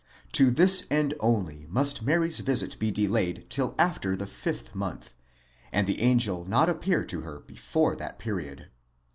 To this end only must Mary's visit be delayed till after the fifth month ; and the angel not appear to her before that period.